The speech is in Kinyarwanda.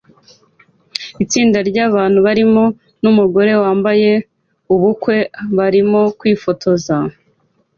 Itsinda ryabantu barimo numugore wambaye ubukwe barimo kwifotoza